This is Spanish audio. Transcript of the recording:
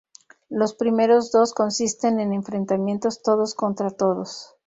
Los primeros dos consisten en enfrentamientos todos contra todos.